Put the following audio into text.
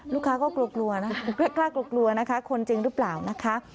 ลูกค้าก็กลัวนะคะคนจริงหรือเปล่านะคะ